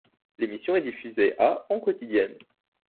L'émission est diffusée à en quotidienne.